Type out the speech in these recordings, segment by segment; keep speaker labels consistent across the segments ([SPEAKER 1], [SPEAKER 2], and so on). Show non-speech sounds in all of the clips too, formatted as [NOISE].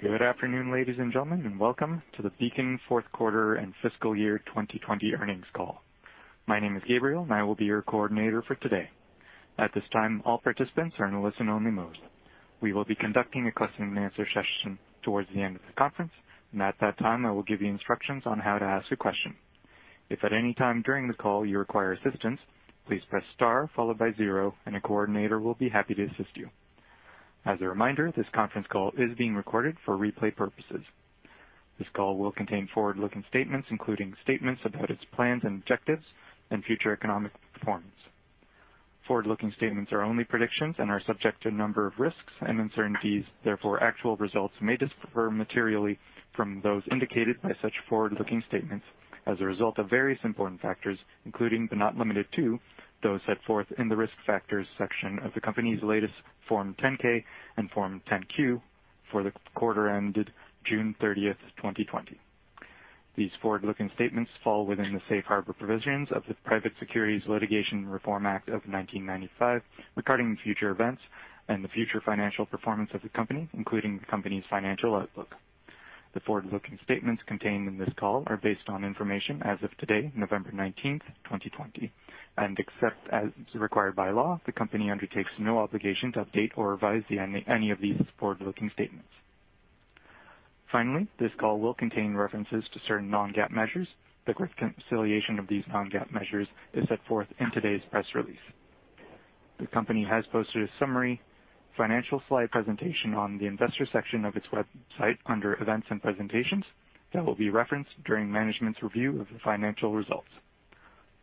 [SPEAKER 1] Good afternoon, ladies and gentlemen, and welcome to the Beacon fourth quarter and fiscal year 2020 earnings call. My name is Gabriel, and I will be your coordinator for today. At this time, all participants are in listen only mode. We will be conducting a question and answer session towards the end of the conference. At that time, I will give you instructions on how to ask a question. If at any time during the call you require assistance, please press star followed by zero, and a coordinator will be happy to assist you. As a reminder, this conference call is being recorded for replay purposes. This call will contain forward-looking statements, including statements about its plans and objectives and future economic performance. Forward-looking statements are only predictions and are subject to a number of risks and uncertainties. Therefore, actual results may differ materially from those indicated by such forward-looking statements as a result of various important factors, including, but not limited to, those set forth in the Risk Factors section of the company's latest Form 10-K and Form 10-Q for the quarter ended June 30th, 2020. These forward-looking statements fall within the Safe Harbor provisions of the Private Securities Litigation Reform Act of 1995 regarding future events and the future financial performance of the company, including the company's financial outlook. The forward-looking statements contained in this call are based on information as of today, November 19th, 2020. Except as required by law, the company undertakes no obligation to update or revise any of these forward-looking statements. Finally, this call will contain references to certain non-GAAP measures. The reconciliation of these non-GAAP measures is set forth in today's press release. The company has posted a summary financial slide presentation on the investor section of its website under Events and Presentations that will be referenced during management's review of the financial results.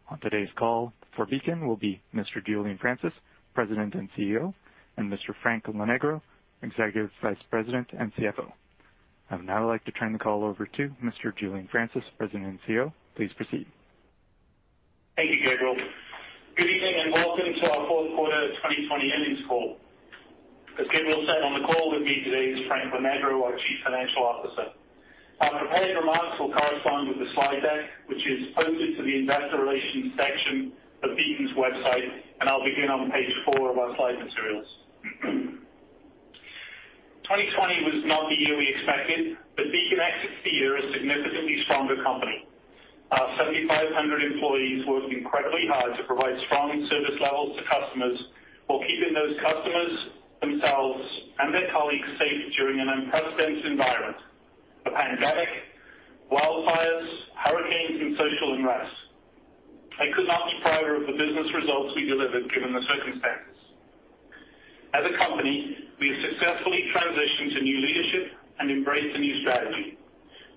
[SPEAKER 1] On today's call for Beacon will be Mr. Julian Francis, President and CEO, and Mr. Frank Lonegro, Executive Vice President and CFO. I would now like to turn the call over to Mr. Julian Francis, President and CEO. Please proceed.
[SPEAKER 2] Thank you, Gabriel. Good evening, and welcome to our fourth quarter 2020 earnings call. As Gabriel said, on the call with me today is Frank Lonegro, our Chief Financial Officer. Our prepared remarks will correspond with the slide deck, which is posted to the investor relations section of Beacon's website, and I'll begin on page four of our slide materials. 2020 was not the year we expected, but Beacon exits the year a significantly stronger company. Our 7,500 employees worked incredibly hard to provide strong service levels to customers while keeping those customers, themselves, and their colleagues safe during an unprecedented environment: the pandemic, wildfires, hurricanes, and social unrest. I could not be prouder of the business results we delivered given the circumstances. As a company, we have successfully transitioned to new leadership and embraced a new strategy.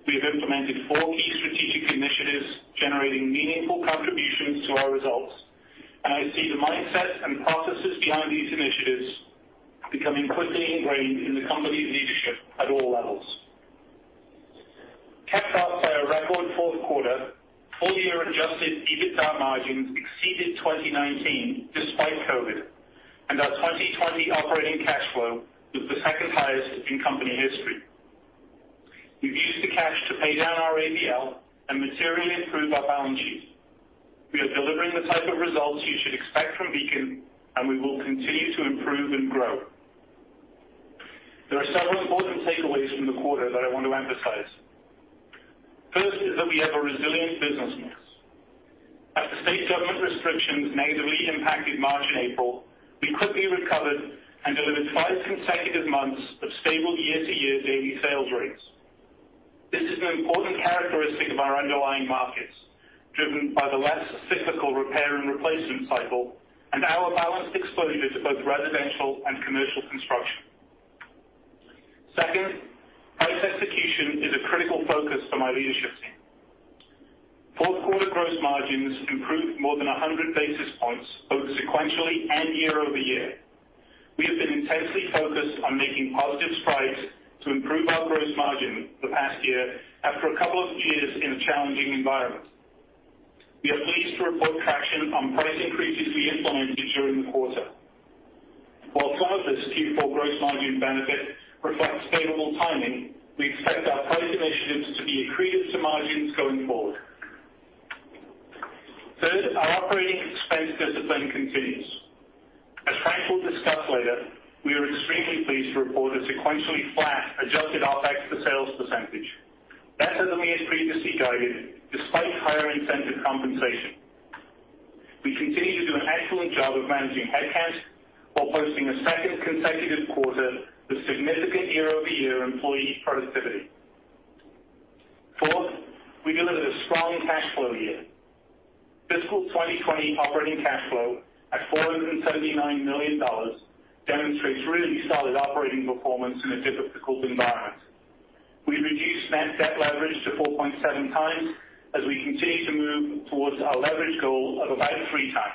[SPEAKER 2] We have implemented four key strategic initiatives generating meaningful contributions to our results, and I see the mindsets and processes behind these initiatives becoming quickly ingrained in the company's leadership at all levels. Capped off by a record fourth quarter, full year adjusted EBITDA margins exceeded 2019 despite COVID, and our 2020 operating cash flow was the second highest in company history. We've used the cash to pay down our ABL and materially improve our balance sheet. We are delivering the type of results you should expect from Beacon, and we will continue to improve and grow. There are several important takeaways from the quarter that I want to emphasize. First is that we have a resilient business mix. After state government restrictions negatively impacted March and April, we quickly recovered and delivered five consecutive months of stable year-to-year daily sales rates. This is an important characteristic of our underlying markets, driven by the less cyclical repair and replacement cycle and our balanced exposure to both residential and commercial construction. Second, price execution is a critical focus for my leadership team. Fourth quarter gross margins improved more than 100 basis points both sequentially and year-over-year. We have been intensely focused on making positive strides to improve our gross margin the past year after a couple of years in a challenging environment. We are pleased to report traction on price increases we implemented during the quarter. While some of this Q4 gross margin benefit reflects favorable timing, we expect our price initiatives to be accretive to margins going forward. Third, our operating expense discipline continues. As Frank will discuss later, we are extremely pleased to report a sequentially flat adjusted OpEx to sales percentage, better than we had previously guided despite higher incentive compensation. We continue to do an excellent job of managing head count while posting a second consecutive quarter with significant year-over-year employee productivity. Fourth, we delivered a strong cash flow year. Fiscal 2020 operating cash flow at $479 million demonstrates really solid operating performance in a difficult environment. We reduced net debt leverage to 4.7x as we continue to move towards our leverage goal of about 3x.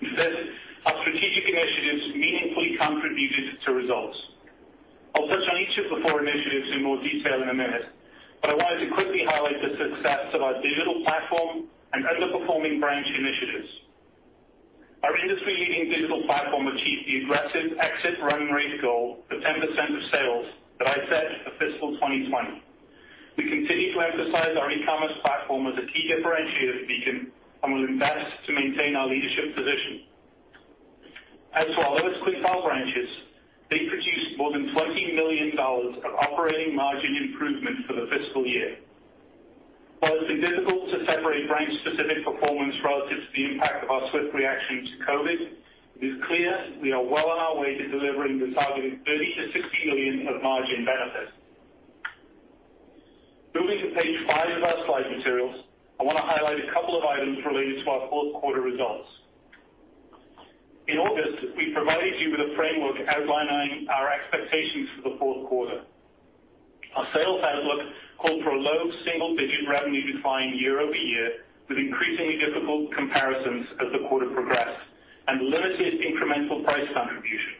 [SPEAKER 2] Fifth, our strategic initiatives meaningfully contributed to results. I'll touch on each of the four initiatives in more detail in a minute, but I wanted to quickly highlight the success of our digital platform and underperforming branch initiatives. Our industry-leading digital platform achieved the aggressive exit run rate goal for 10% of sales that I set for fiscal 2020. We continue to emphasize our e-commerce platform as a key differentiator for Beacon, and we'll invest to maintain our leadership position. As for our lowest quintile branches, they produced more than $20 million of operating margin improvement for the fiscal year. While it's been difficult to separate branch-specific performance relative to the impact of our swift reaction to COVID, it is clear we are well on our way to delivering the targeted $30 million-$60 million of margin benefits. Moving to page five of our slide materials, I want to highlight a couple of items related to our fourth quarter results. In August, we provided you with a framework outlining our expectations for the fourth quarter. Our sales outlook called for a low single-digit revenue decline year-over-year, with increasingly difficult comparisons as the quarter progressed, and limited incremental price contribution.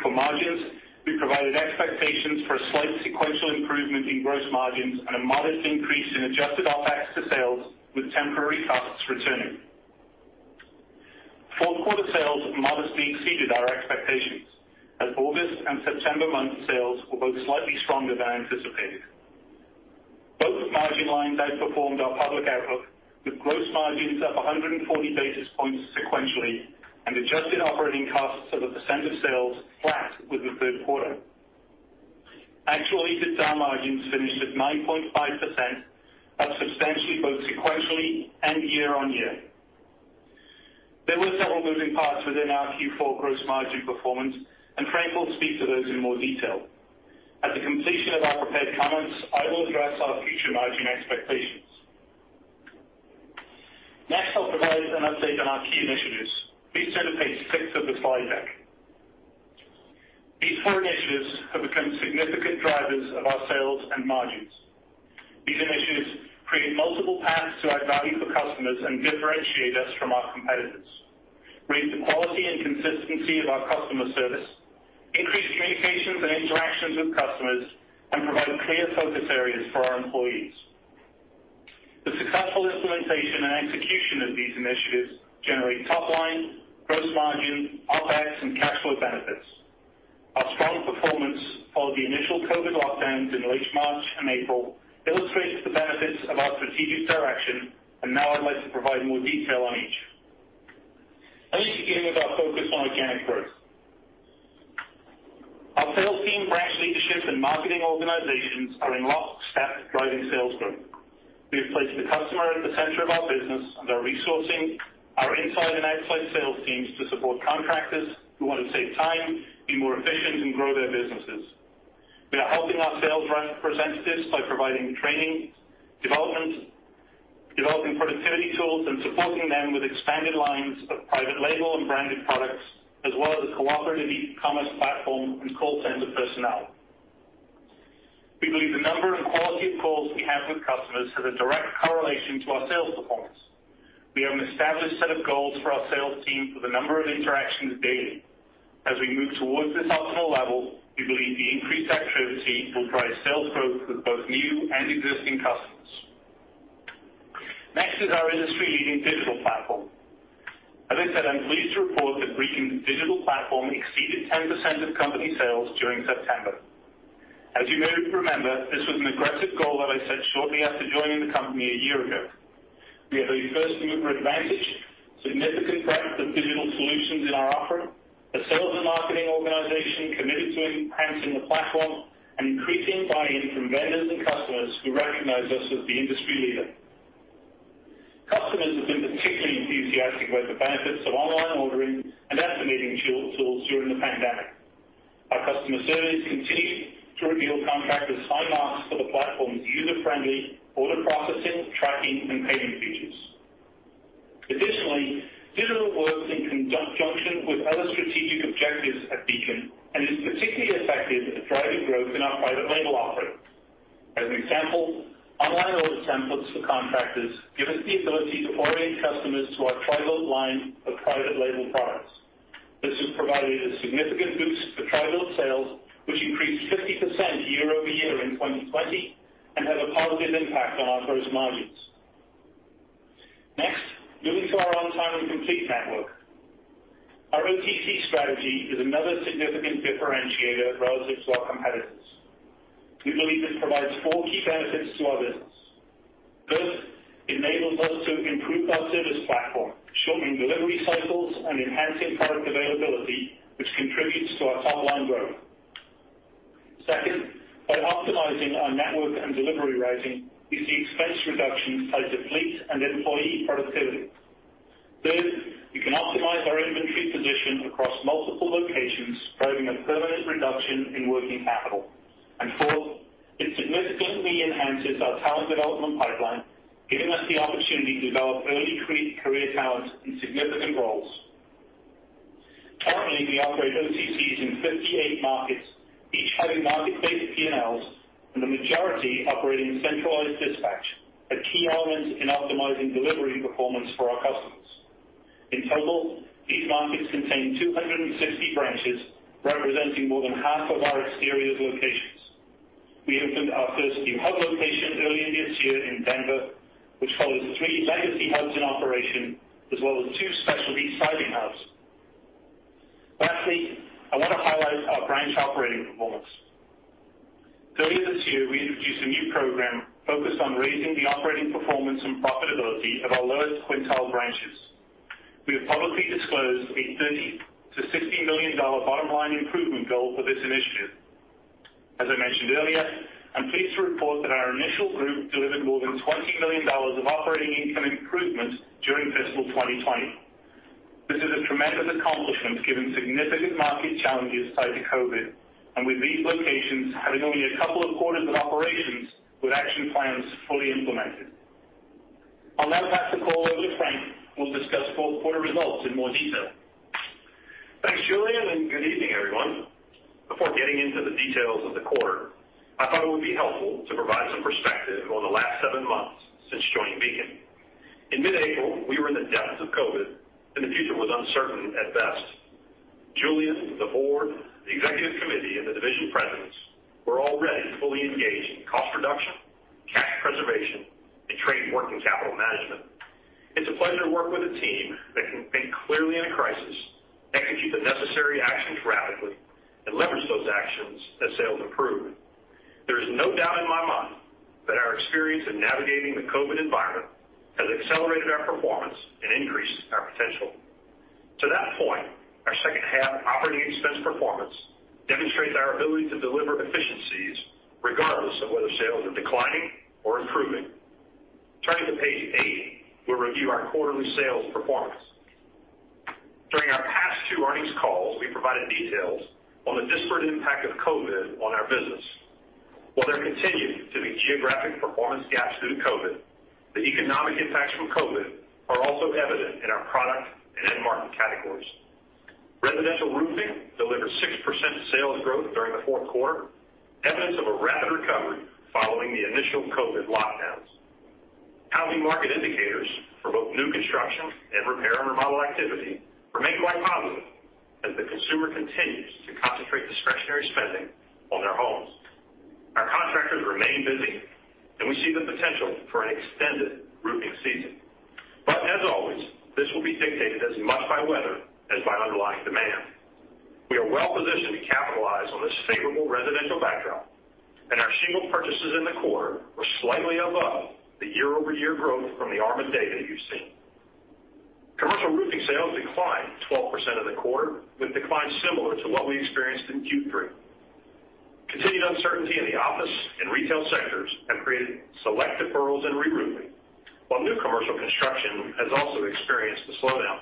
[SPEAKER 2] For margins, we provided expectations for a slight sequential improvement in gross margins and a modest increase in adjusted OpEx to sales, with temporary costs returning. Fourth quarter sales modestly exceeded our expectations, as August and September month sales were both slightly stronger than anticipated. Both margin lines outperformed our public outlook, with gross margins up 140 basis points sequentially and adjusted operating costs as a percent of sales flat with the third quarter. Actual EBITDA margins finished at 9.5%, up substantially both sequentially and year-on-year. There were several moving parts within our Q4 gross margin performance, and Frank will speak to those in more detail. At the completion of our prepared comments, I will address our future margin expectations. Next, I'll provide an update on our key initiatives. Please turn to page six of the slide deck. These four initiatives have become significant drivers of our sales and margins. These initiatives create multiple paths to add value for customers and differentiate us from our competitors, raise the quality and consistency of our customer service, increase communications and interactions with customers, and provide clear focus areas for our employees. The successful implementation and execution of these initiatives generate top-line gross margin, OpEx, and cash flow benefits. Our strong performance followed the initial COVID lockdowns in late March and April, illustrates the benefits of our strategic direction. Now I'd like to provide more detail on each. Let me begin with our focus on organic growth. Our sales team, branch leadership, and marketing organizations are in lockstep driving sales growth. We have placed the customer at the center of our business and are resourcing our inside and outside sales teams to support contractors who want to save time, be more efficient, and grow their businesses. We are helping our sales representatives by providing training, development, developing productivity tools, and supporting them with expanded lines of private label and branded products, as well as a cooperative e-commerce platform and call center personnel. We believe the number and quality of calls we have with customers has a direct correlation to our sales performance. We have an established set of goals for our sales team for the number of interactions daily. As we move towards this optimal level, we believe the increased activity will drive sales growth with both new and existing customers. Next is our industry-leading digital platform. As I said, I am pleased to report that Beacon's digital platform exceeded 10% of company sales during September. As you may remember, this was an aggressive goal that I set shortly after joining the company a year ago. We have a first-mover advantage, significant breadth of digital solutions in our offering, a sales and marketing organization committed to enhancing the platform, and increasing buy-in from vendors and customers who recognize us as the industry leader. Customers have been particularly enthusiastic about the benefits of online ordering and estimating tools during the pandemic. Our customer service continues to reveal contractors' high marks for the platform's user-friendly order processing, tracking, and payment features. Additionally, digital works in conjunction with other strategic objectives at Beacon and is particularly effective at driving growth in our private label offering. As an example, online order templates for contractors give us the ability to orient customers to our TRI-BUILT line of private label products. This has provided a significant boost for TRI-BUILT sales, which increased 50% year-over-year in 2020 and had a positive impact on our gross margins. Moving to our On-Time and Complete Network. Our OTC strategy is another significant differentiator relative to our competitors. We believe this provides four key benefits to our business. First, this enables us to improve our service platform, shortening delivery cycles and enhancing product availability, which contributes to our top-line growth. Second, by optimizing our network and delivery routing, we see expense reductions tied to fleet and employee productivity. Third, we can optimize our inventory position across multiple locations, driving a permanent reduction in working capital. Fourth, it significantly enhances our talent development pipeline, giving us the opportunity to develop early career talent in significant roles. Currently, we operate OTC in 58 markets, each having market-based P&L and the majority operating centralized dispatch, a key element in optimizing delivery performance for our customers. In total, these markets contain 260 branches, representing more than half of our exteriors locations. We opened our first new hub location earlier this year in Denver, which follows the three legacy hubs in operation, as well as two specialty siding hubs. Lastly, I want to highlight our branch operating performance. Earlier this year, we introduced a new program focused on raising the operating performance and profitability of our lowest quintile branches. We have publicly disclosed a $30 million-$60 million bottom-line improvement goal for this initiative. As I mentioned earlier, I'm pleased to report that our initial group delivered more than $20 million of operating income improvement during fiscal 2020. This is a tremendous accomplishment given significant market challenges tied to COVID and with these locations having only a couple of quarters of operations with action plans fully implemented. I'll now pass the call over to Frank, who will discuss fourth quarter results in more detail.
[SPEAKER 3] Thanks, Julian, and good evening, everyone. Before getting into the details of the quarter, I thought it would be helpful to provide some perspective on the last seven months since joining Beacon. In mid-April, we were in the depths of COVID, and the future was uncertain at best. Julian, the board, the executive committee, and the division presidents were already fully engaged in cost reduction, cash preservation, and trade working capital management. It's a pleasure to work with a team that can think clearly in a crisis, execute the necessary actions rapidly, and leverage those actions as sales improve. There is no doubt in my mind that our experience in navigating the COVID environment has accelerated our performance and increased our potential. To that point, our second half operating expense performance demonstrates our ability to deliver efficiencies regardless of whether sales are declining or improving. Turning to page eight, we'll review our quarterly sales performance. During our past two earnings calls, we provided details on the disparate impact of COVID on our business. While there continue to be geographic performance gaps due to COVID, the economic impacts from COVID are also evident in our product and end market categories. Residential roofing delivered 6% sales growth during the fourth quarter, evidence of a rapid recovery following the initial COVID lockdowns. Housing market indicators for both new construction and repair and remodel activity remain quite positive as the consumer continues to concentrate discretionary spending on their homes. Our contractors remain busy, we see the potential for an extended roofing season. As always, this will be dictated as much by weather as by underlying demand. We are well-positioned to capitalize on this favorable residential backdrop. Our shingle purchases in the quarter were slightly above the year-over-year growth from the ARMA data you've seen. Commercial roofing sales declined 12% in the quarter, with declines similar to what we experienced in Q3. Continued uncertainty in the office and retail sectors have created select deferrals in reroofing, while new commercial construction has also experienced a slowdown.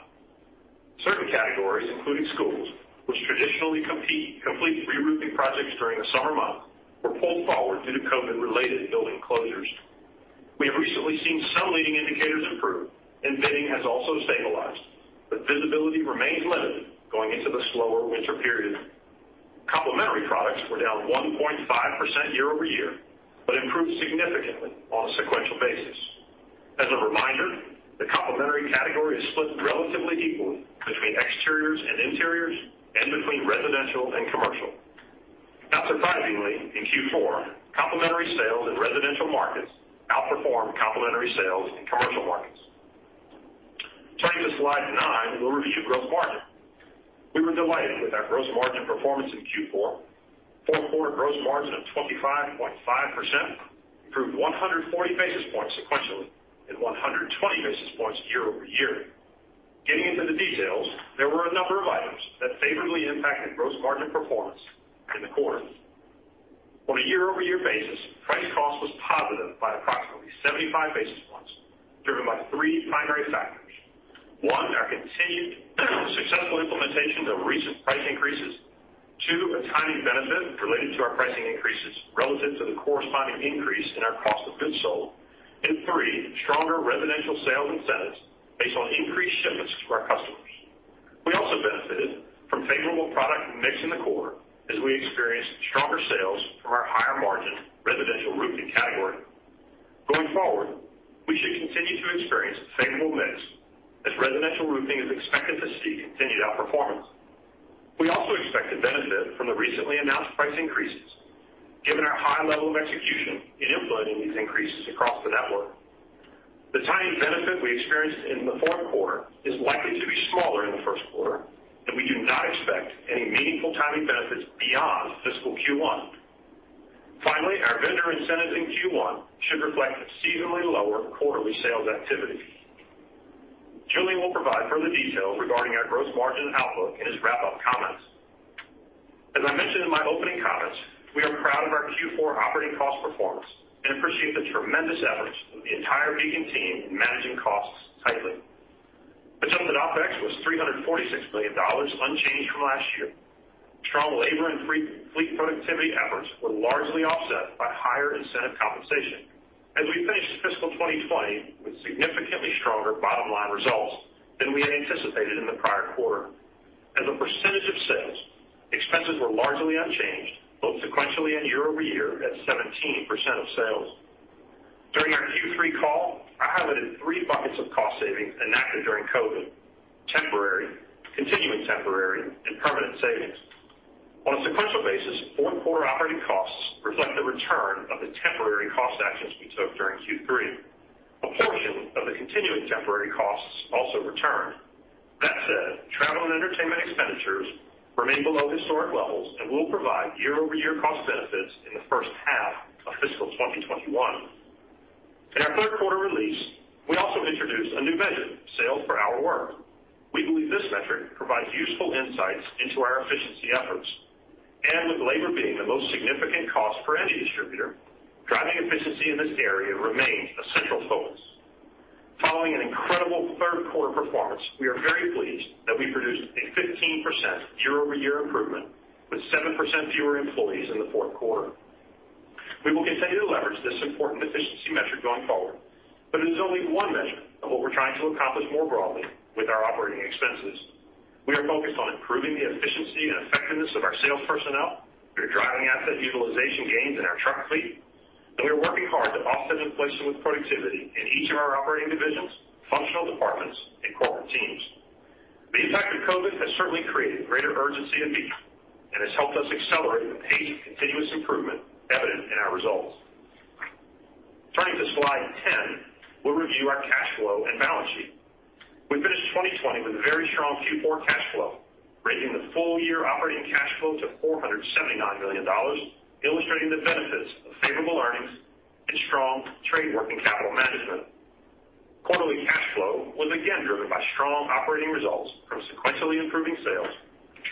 [SPEAKER 3] Certain categories, including schools, which traditionally complete reroofing projects during the summer months, were pulled forward due to COVID-related building closures. We have recently seen some leading indicators improve. Bidding has also stabilized. Visibility remains limited going into the slower winter period. Complementary products were down 1.5% year-over-year. Improved significantly on a sequential basis. As a reminder, the complementary category is split relatively equally between exteriors and interiors and between residential and commercial. Not surprisingly, in Q4, complementary sales in residential markets outperformed complementary sales in commercial markets. Turning to slide nine, we'll review gross margin. We were delighted with our gross margin performance in Q4. Fourth quarter gross margin of 25.5% improved 140 basis points sequentially and 120 basis points year-over-year. Getting into the details, there were a number of items that favorably impacted gross margin performance in the quarter. On a year-over-year basis, price cost was positive by approximately 75 basis points, driven by three primary factors. One, our continued successful implementations of recent price increases. Two, a timing benefit related to our pricing increases relative to the corresponding increase in our cost of goods sold. Three, stronger residential sales incentives based on increased shipments to our customers. We also benefited from favorable product mix in the quarter as we experienced stronger sales from our higher-margin residential roofing category. Going forward, we should continue to experience favorable mix as residential roofing is expected to see continued outperformance. We also expect to benefit from the recently announced price increases given our high level of execution in implementing these increases across the network. The timing benefit we experienced in the fourth quarter is likely to be smaller in the first quarter, and we do not expect any meaningful timing benefits beyond fiscal Q1. Finally, our vendor incentives in Q1 should reflect seasonally lower quarterly sales activity. Julian will provide further detail regarding our gross margin outlook in his wrap-up comments. As I mentioned in my opening comments, we are proud of our Q4 operating cost performance and appreciate the tremendous efforts of the entire Beacon team in managing costs tightly. Adjusted OpEx was $346 million, unchanged from last year. Strong labor and fleet productivity efforts were largely offset by higher incentive compensation as we finished fiscal 2020 with significantly stronger bottom-line results than we had anticipated in the prior quarter. As a percentage of sales, expenses were largely unchanged, both sequentially and year-over-year at 17% of sales. During our Q3 call, I highlighted three buckets of cost savings enacted during COVID: temporary, continuing temporary, and permanent savings. On a sequential basis, fourth quarter operating costs reflect the return of the temporary cost actions we took during Q3. A portion of the continuing temporary costs also returned. That said, travel and entertainment expenditures remain below historic levels and will provide year-over-year cost benefits in the first half of fiscal 2021. In our third quarter release, we also introduced a new measure, sales per hour work. We believe this metric provides useful insights into our efficiency efforts. With labor being the most significant cost for any distributor, driving efficiency in this area remains a central focus. Following an incredible third quarter performance, we are very pleased that we produced a 15% year-over-year improvement with 7% fewer employees in the fourth quarter. We will continue to leverage this important efficiency metric going forward, it is only one measure of what we're trying to accomplish more broadly with our operating expenses. We are focused on improving the efficiency and effectiveness of our sales personnel. We are driving asset utilization gains in our truck fleet, we are working hard to offset inflation with productivity in each of our operating divisions, functional departments, and corporate teams. The impact of COVID has certainly created greater urgency at Beacon, has helped us accelerate the pace of continuous improvement evident in our results. Turning to slide 10, we'll review our cash flow and balance sheet. We finished 2020 with very strong Q4 cash flow, raising the full-year operating cash flow to $479 million, illustrating the benefits of favorable earnings and strong trade working capital management. Quarterly cash flow was again driven by strong operating results from sequentially improving sales,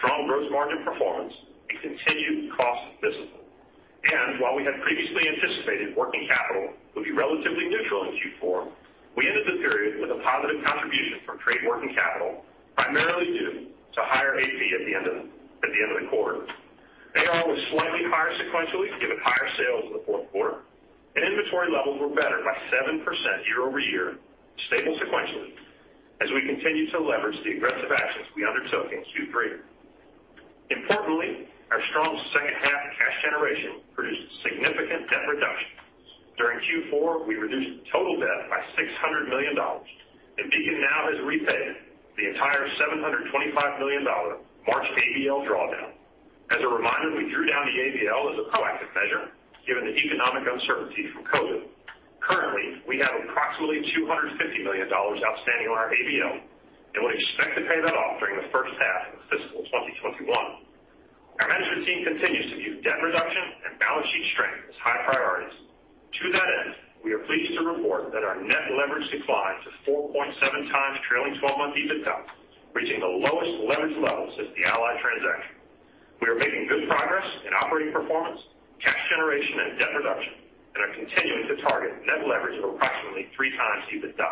[SPEAKER 3] strong gross margin performance, and continued cost discipline. While we had previously anticipated working capital would be relatively neutral in Q4, we ended the period with a positive contribution from trade working capital, primarily due to higher AP at the end of the quarter. AR was slightly higher sequentially given higher sales in the fourth quarter, and inventory levels were better by 7% year-over-year, stable sequentially as we continue to leverage the aggressive actions we undertook in Q3. Importantly, our strong second half cash generation produced significant debt reduction. During Q4, we reduced total debt by $600 million, and Beacon now has repaid the entire $725 million March ABL drawdown. As a reminder, we drew down the ABL as a proactive measure given the economic uncertainty from COVID. Currently, we have approximately $250 million outstanding on our ABL, and we expect to pay that off during the first half of fiscal 2021. Our management team continues to view debt reduction and balance sheet strength as high priorities. To that end, we are pleased to report that our net leverage declined to 4.7x trailing 12 months EBITDA, reaching the lowest leverage levels since the Allied transaction. We are making good progress in operating performance, cash generation, and debt reduction, and are continuing to target net leverage of approximately three times EBITDA.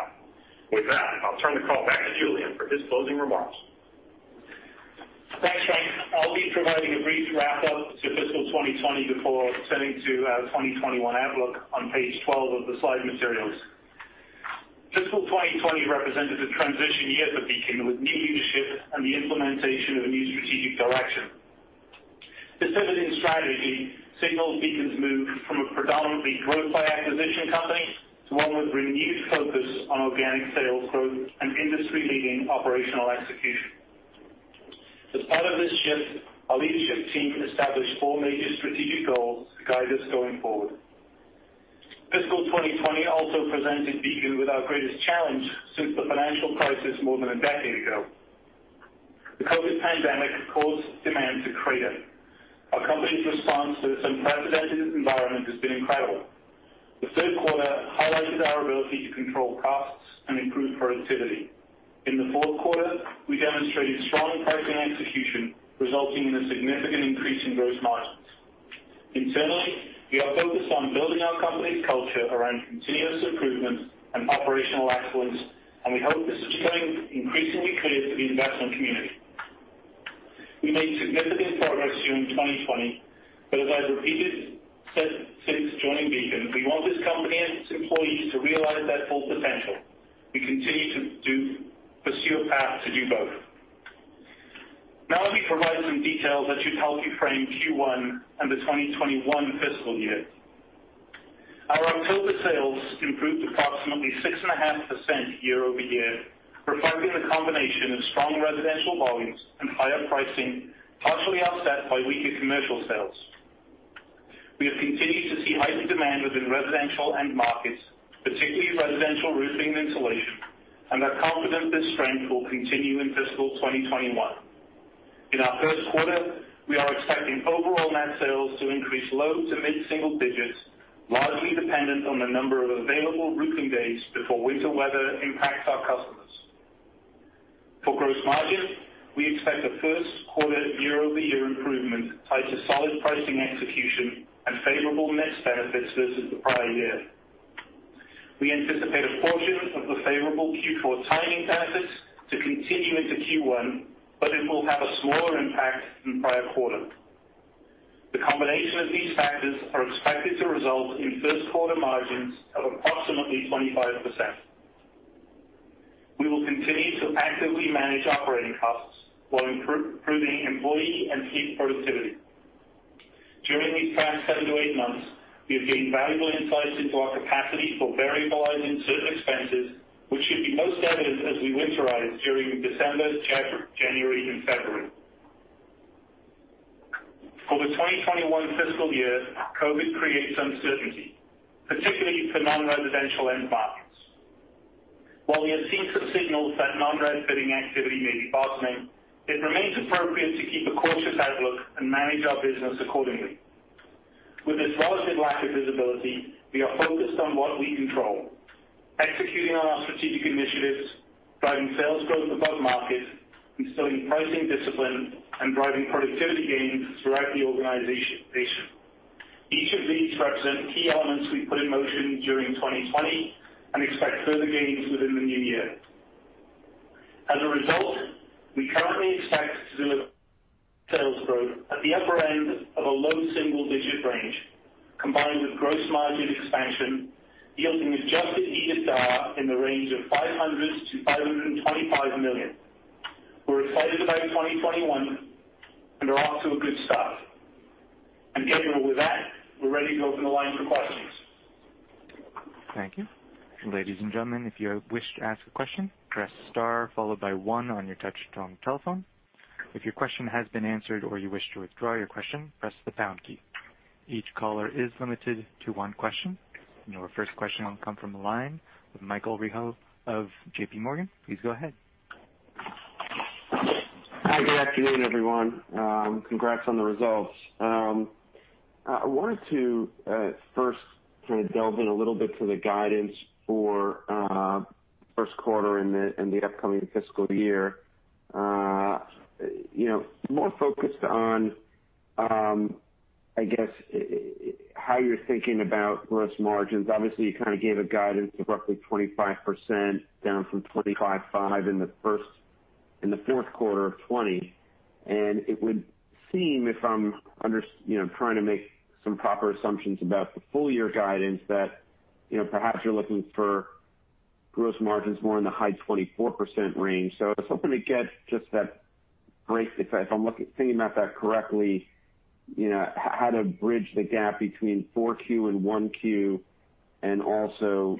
[SPEAKER 3] With that, I'll turn the call back to Julian for his closing remarks.
[SPEAKER 2] Thanks, Frank. I'll be providing a brief wrap-up to fiscal 2020 before turning to our 2021 outlook on page 12 of the slide materials. Fiscal 2020 represented a transition year for Beacon with new leadership and the implementation of a new strategic direction. This pivoting strategy signals Beacon's move from a predominantly growth by acquisition company to one with renewed focus on organic sales growth and industry-leading operational execution. As part of this shift, our leadership team established four major strategic goals to guide us going forward. Fiscal 2020 also presented Beacon with our greatest challenge since the financial crisis more than a decade ago. The COVID pandemic caused demand to crater. Our company's response to this unprecedented environment has been incredible. The third quarter highlighted our ability to control costs and improve productivity. In the fourth quarter, we demonstrated strong pricing execution, resulting in a significant increase in gross margins. Internally, we are focused on building our company's culture around continuous improvement and operational excellence, and we hope this is becoming increasingly clear to the investment community. We made significant progress during 2020, but as I've repeated since joining Beacon, we want this company and its employees to realize their full potential. We continue to pursue a path to do both. Let me provide some details that should help you frame Q1 and the 2021 fiscal year. Our October sales improved approximately six and a half percent year-over-year, reflecting the combination of strong residential volumes and higher pricing, partially offset by weaker commercial sales. We have continued to see heightened demand within residential end markets, particularly residential roofing and insulation, and are confident this strength will continue in fiscal 2021. In our first quarter, we are expecting overall net sales to increase low to mid-single digits, largely dependent on the number of available roofing days before winter weather impacts our customers. For gross margin, we expect a first quarter year-over-year improvement tied to solid pricing execution and favorable mix benefits versus the prior year. We anticipate a portion of the favorable Q4 timing benefits to continue into Q1, but it will have a smaller impact than prior quarter. The combination of these factors are expected to result in first quarter margins of approximately 25%. We will continue to actively manage operating costs while improving employee and fleet productivity. During these past seven to eight months, we have gained valuable insights into our capacity for variabilizing certain expenses, which should be most evident as we winterize during December, January, and February. For the 2021 fiscal year, COVID creates uncertainty, particularly for non-residential end markets. While we have seen some signals that non-res bidding activity may be bottoming, it remains appropriate to keep a cautious outlook and manage our business accordingly. With this relative lack of visibility, we are focused on what we control, executing on our strategic initiatives, driving sales growth above market, instilling pricing discipline, and driving productivity gains throughout the organization. Each of these represent key elements we put in motion during 2020 and expect further gains within the new year. As a result, we currently expect to deliver sales growth at the upper end of a low single-digit range, combined with gross margin expansion yielding adjusted EBITDA in the range of $500 million-$525 million. We're excited about 2021 and are off to a good start. With that, we're ready to open the line for questions.
[SPEAKER 1] Thank you. Ladies and gentlemen, Each caller is limited to one question. Our first question will come from the line with Michael Rehaut of JPMorgan. Please go ahead.
[SPEAKER 4] Hi, good afternoon, every one. Congrats on the results. I wanted to first delve in a little bit to the guidance for 1Q and the upcoming fiscal year. More focused on, I guess, how you're thinking about gross margins. Obviously, you gave a guidance of roughly 25% down from 25.5% in 4Q 2020. It would seem, if I'm trying to make some proper assumptions about the full year guidance, that perhaps you're looking for gross margins more in the high 24% range. I was hoping to get just that break, if I'm thinking about that correctly, how to bridge the gap between 4Q and 1Q and also,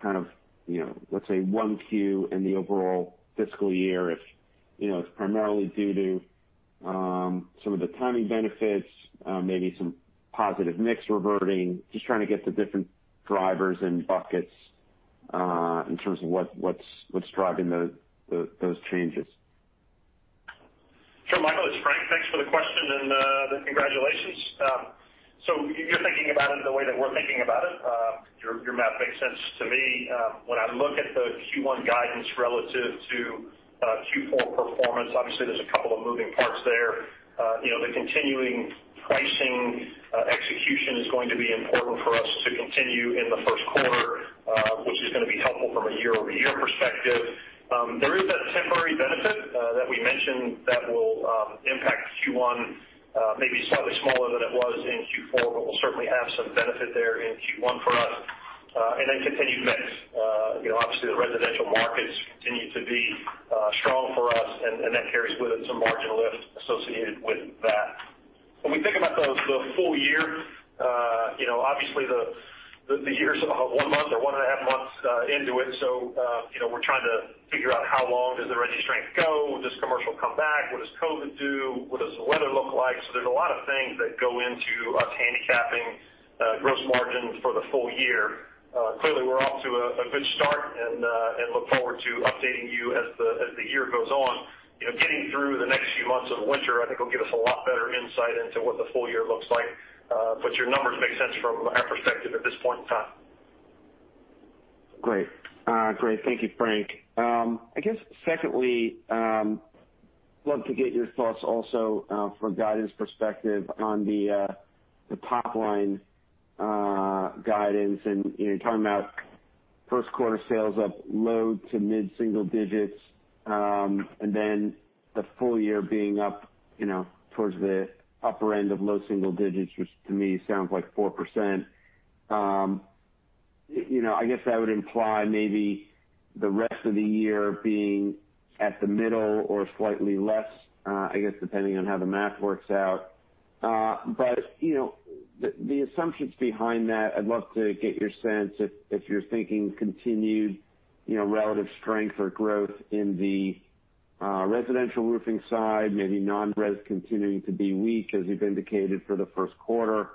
[SPEAKER 4] let's say, 1Q and the overall fiscal year. If it's primarily due to some of the timing benefits, maybe some positive mix reverting. Just trying to get the different drivers and buckets, in terms of what's driving those changes.
[SPEAKER 3] Sure, Michael, it's Frank. Thanks for the question and the congratulations. You're thinking about it the way that we're thinking about it. Your math makes sense to me. When I look at the Q1 guidance relative to Q4 performance, obviously there's a couple of moving parts there. The continuing pricing execution is going to be important for us to continue in the first quarter, which is going to be helpful from a year-over-year perspective. There is that temporary benefit that we mentioned that will impact Q1, maybe slightly smaller than it was in Q4, but we'll certainly have some benefit there in Q1 for us. Then continued mix. Obviously, the residential markets continue to be strong for us, and that carries with it some margin lift associated with that. When we think about the full year, obviously the year's one month or 1.5 months into it, we're trying to figure out how long does the resi strength go? Will this commercial come back? What does COVID do? What does the weather look like? There's a lot of things that go into us handicapping gross margin for the full year. Clearly, we're off to a good start and look forward to updating you as the year goes on. Getting through the next few months of winter, I think, will give us a lot better insight into what the full year looks like. Your numbers make sense from our perspective at this point in time.
[SPEAKER 4] Great. Thank you, Frank. I guess, secondly, love to get your thoughts also from a guidance perspective on the top-line guidance and talking about first quarter sales up low to mid-single digits. Then the full year being up towards the upper end of low single digits, which to me sounds like 4%. I guess that would imply maybe the rest of the year being at the middle or slightly less, I guess, depending on how the math works out. The assumptions behind that, I'd love to get your sense if you're thinking continued relative strength or growth in the residential roofing side, maybe non-res continuing to be weak as you've indicated for the first quarter.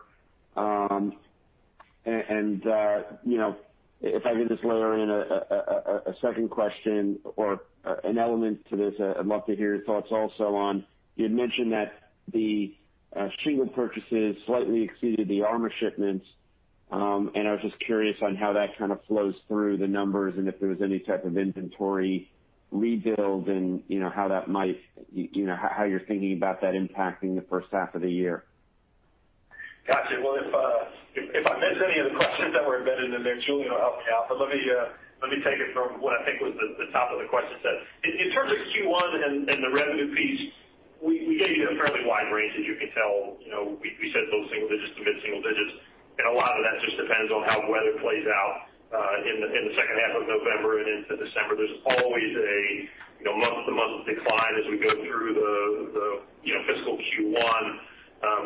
[SPEAKER 4] If I could just layer in a second question or an element to this, I'd love to hear your thoughts also on, you had mentioned that the shingle purchases slightly exceeded the ARMA shipments. I was just curious on how that flows through the numbers and if there was any type of inventory rebuild and how you're thinking about that impacting the first half of the year.
[SPEAKER 3] Got you. Well, if I miss any of the questions that were embedded in there, Julian will help me out. Let me take it from what I think was the top of the question said. In terms of Q1 and the revenue piece, we gave you fairly wide ranges. You can tell, we said those single digits to mid-single digits. A lot of that just depends on how weather plays out in the second half of November and into December. There's always a month-to-month decline as we go through the fiscal Q1.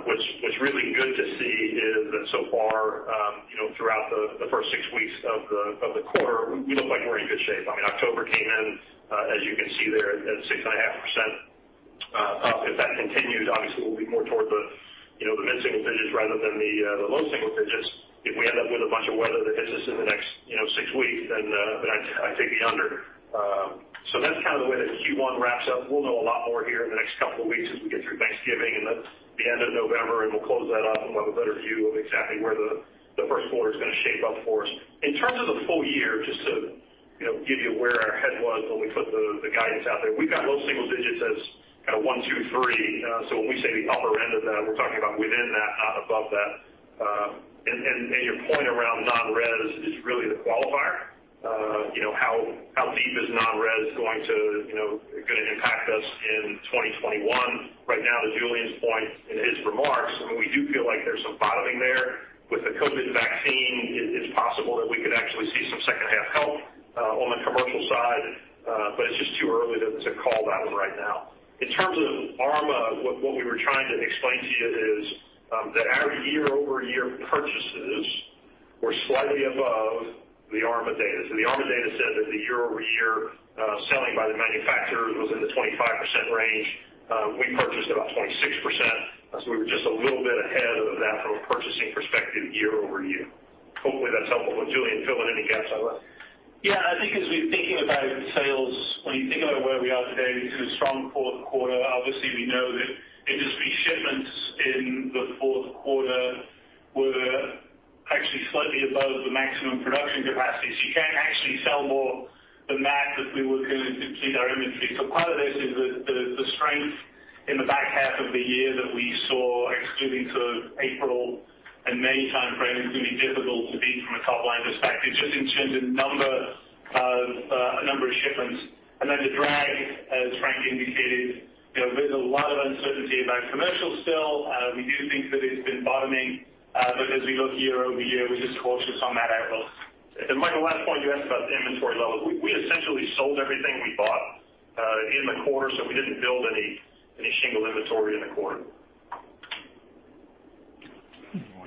[SPEAKER 3] What's really good to see is that so far, throughout the first six weeks of the quarter, we look like we're in good shape. October came in, as you can see there, at 6.5% up. If that continues, obviously we'll be more toward the mid-single digits rather than the low single digits. If we end up with a bunch of weather that hits us in the next six weeks, I'd take the under. That's the way that Q1 wraps up. We'll know a lot more here in the next couple of weeks as we get through Thanksgiving and the end of November, we'll close that up and we'll have a better view of exactly where the first quarter is going to shape up for us. In terms of the full year, just to give you where our head was when we put the guidance out there, we've got low single digits as one, two, three. When we say the upper end of that, we're talking about within that, not above that. Your point around non-res is really the qualifier. How deep is non-res going to impact us in 2021? Right now, to Julian's point in his remarks, we do feel like there's some bottoming there. With the COVID vaccine, it's possible that we could actually see some second half help on the commercial side. It's just too early to call that one right now. In terms of ARMA, what we were trying to explain to you is that our year-over-year purchases were slightly above the ARMA data. The ARMA data said that the year-over-year selling by the manufacturers was in the 25% range. We purchased about 26%, so we were just a little bit ahead of that from a purchasing perspective year-over-year. Hopefully that's helpful. Julian, fill in any gaps I left.
[SPEAKER 2] Yeah, I think as we're thinking about sales, when you think about where we are today, we've had a strong fourth quarter. Obviously, we know that industry shipments in the fourth quarter were actually slightly above the maximum production capacity. You can't actually sell more than that if we were going to keep our inventory. Part of this is the strength in the back half of the year that we saw extending to April and May time frame is going to be difficult to beat from a top-line perspective, just in terms of a number of shipments. The drag, as Frank indicated, there's a lot of uncertainty about commercial still. We do think that it's been bottoming. As we look year-over-year, we're just cautious on that outlook. Michael, last point, you asked about the inventory levels. We essentially sold everything we bought in the quarter, so we didn't build any shingle inventory in the quarter.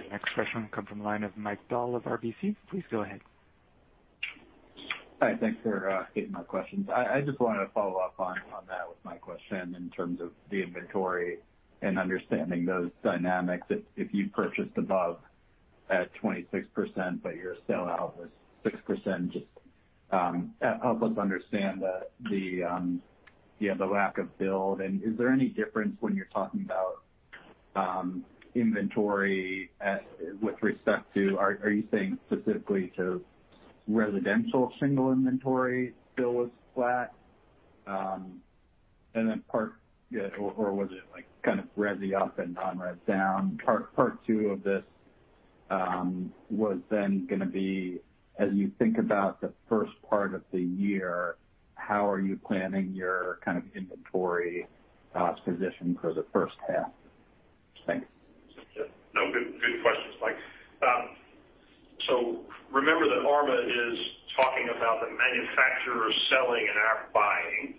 [SPEAKER 1] Our next question will come from the line of Mike Dahl of RBC. Please go ahead.
[SPEAKER 5] Hi, thanks for taking my questions. I just wanted to follow up on that with my question in terms of the inventory and understanding those dynamics. If you purchased above at 26%, but your sell out was 6%, just help us understand the lack of build. Is there any difference when you're talking about inventory with respect to, are you saying specifically to residential shingle inventory still was flat? Or was it like resi up and non-resi down? Part two of this was going to be, as you think about the first part of the year, how are you planning your inventory position for the first half? Thanks.
[SPEAKER 3] No, good questions, Mike. Remember that ARMA is talking about the manufacturer selling and our buying,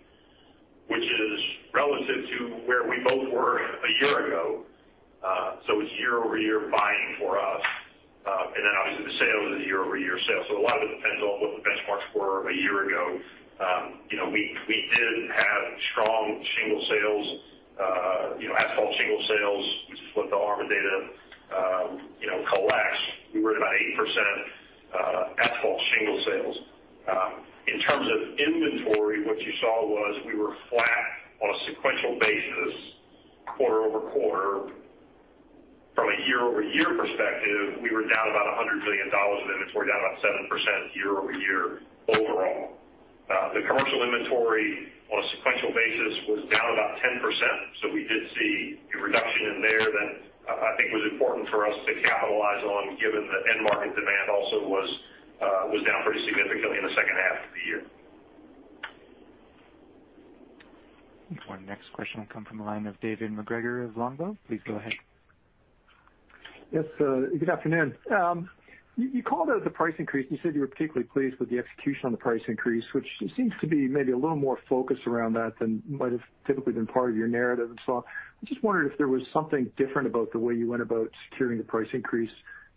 [SPEAKER 3] which is relative to where we both were a year ago. It's year-over-year buying for us. Obviously the sales is year-over-year sales. A lot of it depends on what the benchmarks were a year ago. We did have strong shingle sales, asphalt shingle sales, which is what the ARMA data collects. We were at about 8% asphalt shingle sales. In terms of inventory, what you saw was we were flat on a sequential basis quarter-over-quarter. From a year-over-year perspective, we were down about $100 million of inventory, down about 7% year-over-year overall. The commercial inventory on a sequential basis was down about 10%. We did see a reduction in there that I think was important for us to capitalize on, given that end market demand also was down pretty significantly in the second half of the year.
[SPEAKER 1] Our next question will come from the line of David MacGregor of Longbow. Please go ahead.
[SPEAKER 6] Yes, good afternoon. You called out the price increase. You said you were particularly pleased with the execution on the price increase, which seems to be maybe a little more focused around that than might have typically been part of your narrative. I just wondered if there was something different about the way you went about securing the price increase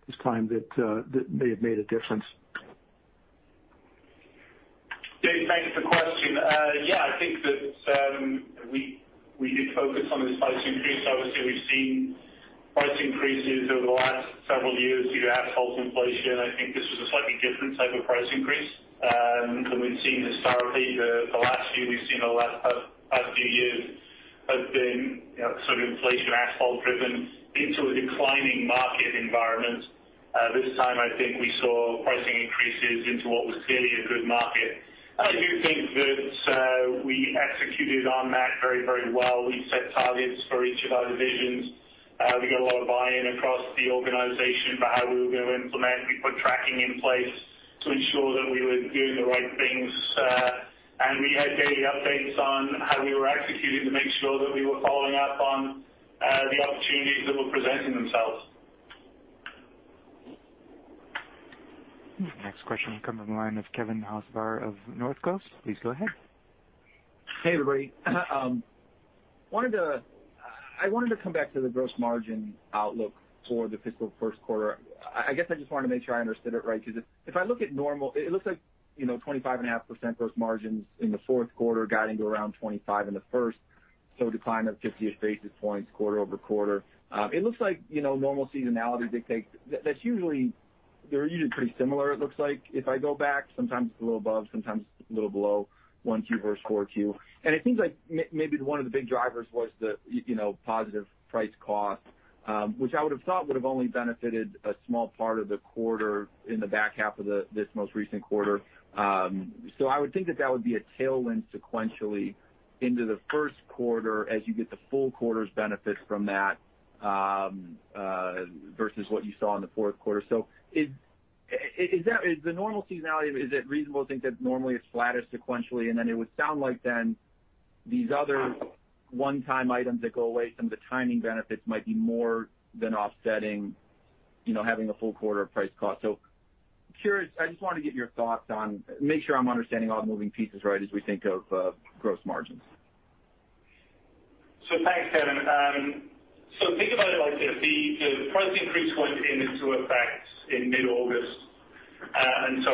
[SPEAKER 6] this time that may have made a difference?
[SPEAKER 2] David, thanks for the question. Yeah, I think that we did focus on this price increase. Obviously, we've seen price increases over the last several years due to asphalt inflation. I think this was a slightly different type of price increase than we've seen historically. The last few we've seen, or the last few years have been inflation asphalt-driven into a declining market environment. This time, I think we saw pricing increases into what was clearly a good market. I do think that we executed on that very, very well. We set targets for each of our divisions. We got a lot of buy-in across the organization for how we were going to implement. We put tracking in place to ensure that we were doing the right things. We had daily updates on how we were executing to make sure that we were following up on the opportunities that were presenting themselves.
[SPEAKER 1] Next question comes from the line of Kevin Hocevar of Northcoast. Please go ahead.
[SPEAKER 7] Hey, everybody. I wanted to come back to the gross margin outlook for the fiscal first quarter. I guess I just wanted to make sure I understood it right, because if I look at normal, it looks like 25.5% gross margins in the fourth quarter guiding to around 25% in the first. Decline of 50-ish basis points quarter-over-quarter. It looks like normal seasonality dictates that they're usually pretty similar, it looks like. If I go back, sometimes it's a little above, sometimes it's a little below 1Q versus 4Q. It seems like maybe one of the big drivers was the positive price cost, which I would've thought would've only benefited a small part of the quarter in the back half of this most recent quarter. I would think that would be a tailwind sequentially into the first quarter as you get the full quarter's benefit from that versus what you saw in the fourth quarter. Is the normal seasonality, is it reasonable to think that normally it's flattish sequentially, and then it would sound like then these other one-time items that go away, some of the timing benefits might be more than offsetting having a full quarter of price cost. Curious, I just wanted to get your thoughts on, make sure I'm understanding all the moving pieces right as we think of gross margins.
[SPEAKER 2] Thanks, Kevin. Think about it like this. The price increase went into effect in mid-August.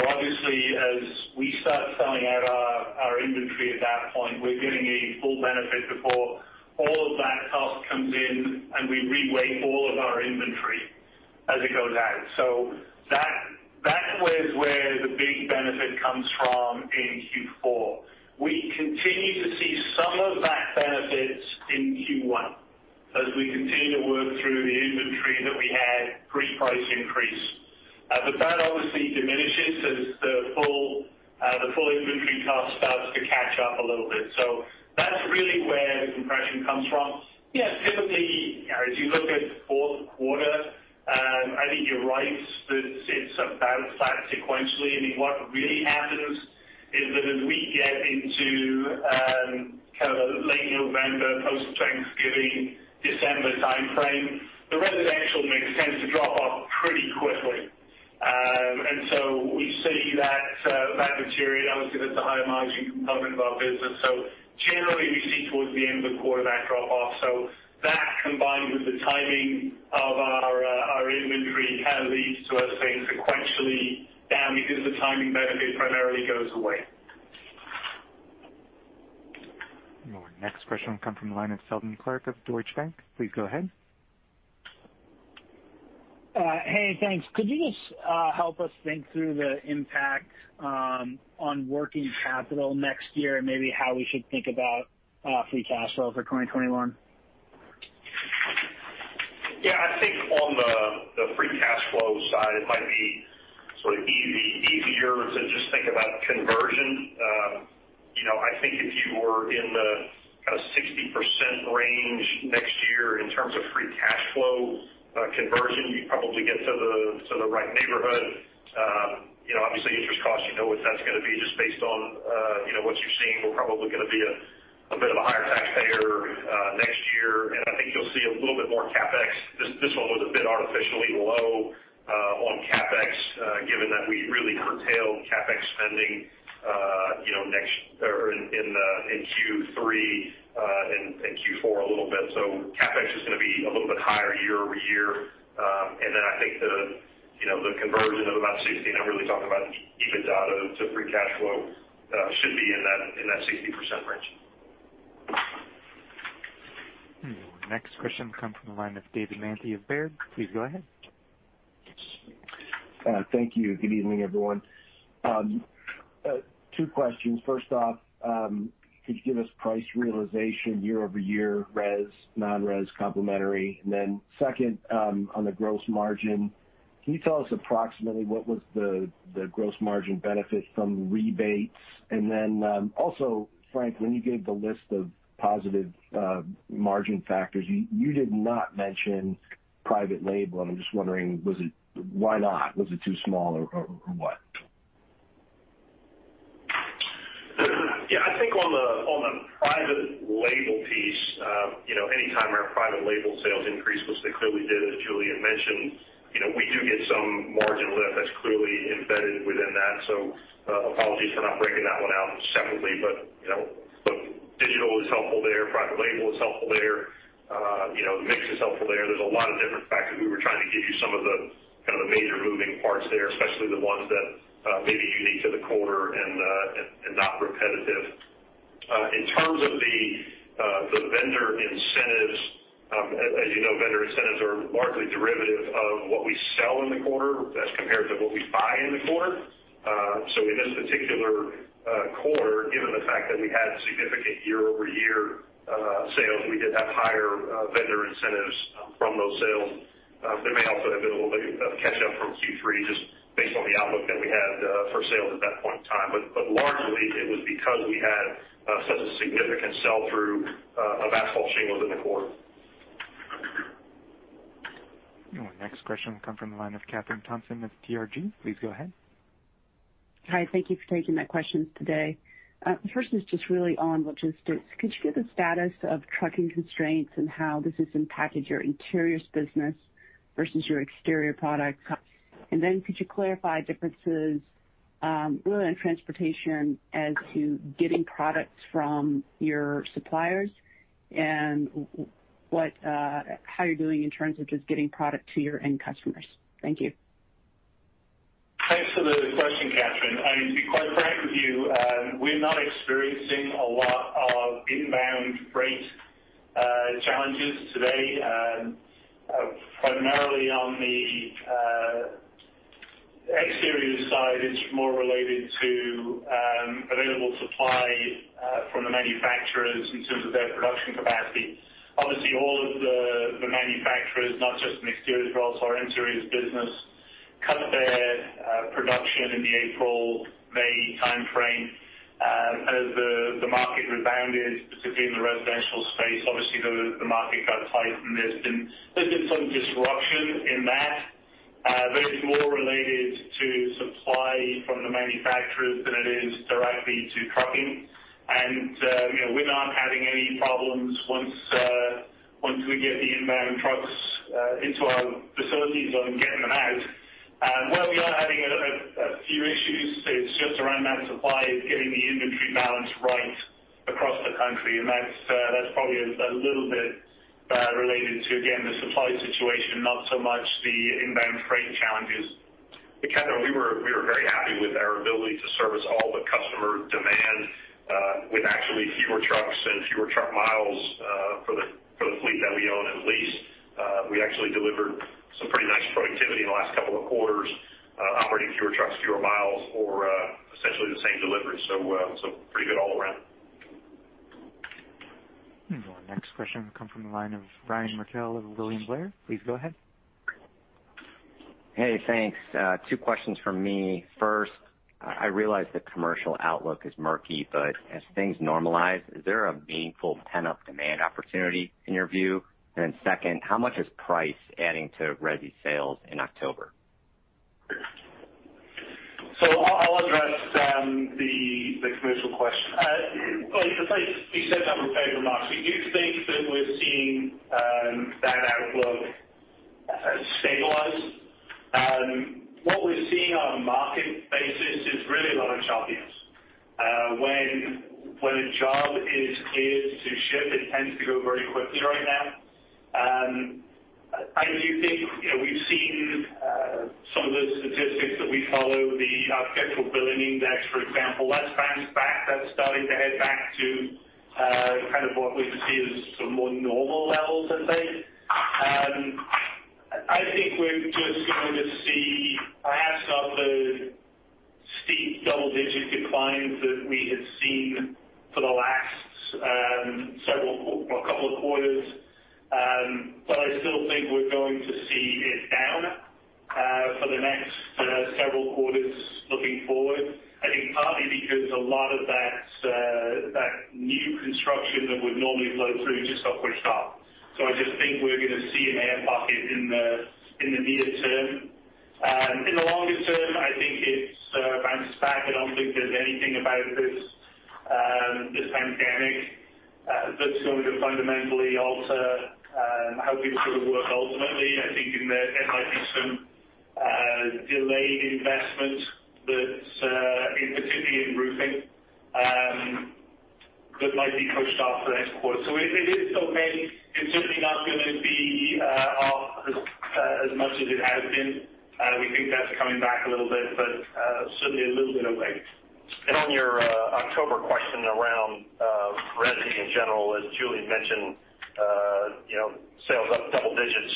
[SPEAKER 2] Obviously as we start selling out our inventory at that point, we're getting a full benefit before all of that cost comes in and we re-weight all of our inventory as it goes out. That was where the big benefit comes from in Q4. We continue to see some of that benefit in Q1 as we continue to work through the inventory that we had pre-price increase. That obviously diminishes as the full inventory cost starts to catch up a little bit. That's really where the compression comes from. Yeah, typically, as you look at the fourth quarter, I think you're right that it sits about flat sequentially. I mean, what really happens is that as we get into kind of the late November, post-Thanksgiving, December timeframe, the residential mix tends to drop off pretty quickly. We see that material. Obviously, that's a higher margin component of our business. Generally, we see towards the end of the quarter that drop-off. That combined with the timing of our inventory kind of leads to us saying sequentially down because the timing benefit primarily goes away.
[SPEAKER 1] Our next question will come from the line of Seldon Clarke of Deutsche Bank. Please go ahead.
[SPEAKER 8] Hey, thanks. Could you just help us think through the impact on working capital next year and maybe how we should think about free cash flow for 2021?
[SPEAKER 3] Yeah, I think on the free cash flow side, it might be sort of easier to just think about conversion. I think if you were in the kind of 60% range next year in terms of free cash flow conversion, you'd probably get to the right neighborhood. Obviously, interest costs, you know what that's going to be just based on what you've seen. We're probably going to be a bit of a higher taxpayer next year. I think you'll see a little bit more CapEx. This one was a bit artificially low on CapEx, given that we really curtailed CapEx spending in Q3 and Q4 a little bit. CapEx is going to be a little bit higher year-over-year. Then I think the conversion of about 60%, and I'm really talking about EBITDA to free cash flow, should be in that 60% range.
[SPEAKER 1] Next question comes from the line of David Manthey of Baird. Please go ahead.
[SPEAKER 9] Thank you. Good evening, everyone. Two questions. First off, could you give us price realization year-over-year, res, non-res, complementary? Second, on the gross margin, can you tell us approximately what was the gross margin benefit from rebates? Also, Frank, when you gave the list of positive margin factors, you did not mention private label, I'm just wondering, why not? Was it too small or what?
[SPEAKER 3] I think on the private label piece, any time our private label sales increase, which they clearly did, as Julian mentioned, we do get some margin lift that's clearly embedded within that. Apologies for not breaking that one out separately, but digital is helpful there. Private label is helpful there. The mix is helpful there. There's a lot of different factors. We were trying to give you some of the major moving parts there, especially the ones that may be unique to the quarter and not repetitive. In terms of the vendor incentives, as you know, vendor incentives are largely derivative of what we sell in the quarter as compared to what we buy in the quarter. In this particular quarter, given the fact that we had significant year-over-year sales, we did have higher vendor incentives from those sales. There may also have been a little bit of catch up from Q3 just based on the outlook that we had for sales at that point in time. Largely it was because we had such a significant sell-through of asphalt shingles in the quarter.
[SPEAKER 1] Next question will come from the line of Kathryn Thompson with TRG. Please go ahead.
[SPEAKER 10] Hi. Thank you for taking my questions today. The first is just really on logistics. Could you give the status of trucking constraints and how this has impacted your interiors business versus your exterior products? Could you clarify differences, really on transportation as to getting products from your suppliers and how you're doing in terms of just getting product to your end customers? Thank you.
[SPEAKER 2] Thanks for the question, Kathryn. To be quite frank with you, we're not experiencing a lot of inbound freight challenges today. Primarily on the exterior side, it's more related to available supply from the manufacturers in terms of their production capacity. Obviously, all of the manufacturers, not just in exterior but also our interiors business, cut their production in the April, May timeframe. As the market rebounded, specifically in the residential space, obviously the market got tight and there's been some disruption in that. It's more related to supply from the manufacturers than it is directly to trucking. We're not having any problems once we get the inbound trucks into our facilities on getting them out. Where we are having a few issues, it's just around that supply is getting the inventory balance right across the country, and that's probably a little bit related to, again, the supply situation, not so much the inbound freight challenges.
[SPEAKER 3] Kathryn, we were very happy with our ability to service all the customer demand with actually fewer trucks and fewer truck miles for the fleet that we own and lease. We actually delivered some pretty nice productivity in the last couple of quarters operating fewer trucks, fewer miles for essentially the same delivery. Pretty good all around.
[SPEAKER 1] The next question will come from the line of Ryan Merkel of William Blair. Please go ahead.
[SPEAKER 11] Hey, thanks. Two questions from me. First, I realize the commercial outlook is murky, but as things normalize, is there a meaningful pent-up demand opportunity in your view? Second, how much is price adding to resi sales in October?
[SPEAKER 2] I'll address the commercial question. Well, to set up a fair remark. Do you think that we're seeing that outlook stabilize? What we're seeing on a market basis is really a lot of job gains. When a job is cleared to ship, it tends to go very quickly right now. I do think we've seen some of the statistics that we follow, the Architecture Billings Index, for example, that's bounced back. That's starting to head back to what we could see as sort of more normal levels, I'd say. I think we're just going to see perhaps not the steep double-digit declines that we had seen for the last couple of quarters. I still think we're going to see it down for the next several quarters looking forward. I think partly because a lot of that new construction that would normally flow through just got pushed up. I just think we're going to see a market in the near term. In the longer term, I think it's bounced back. I don't think there's anything about this pandemic that's going to fundamentally alter how people work ultimately. I think there might be some delayed investment, particularly in roofing, that might be pushed off for the next quarter. It still may. It's certainly not going to be off as much as it has been. We think that's coming back a little bit, but certainly a little bit of late.
[SPEAKER 3] On your October question around resi in general, as Julian mentioned, sales up double digits.